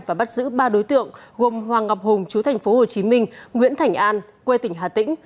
và bắt giữ ba đối tượng gồm hoàng ngọc hùng chú tp hồ chí minh nguyễn thành an quê tỉnh hà tĩnh